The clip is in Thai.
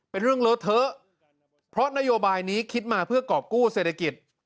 เป็นเรื่องเลอะเทอะเพราะนโยบายนี้คิดมาเพื่อกรอบกู้เศรษฐกิจ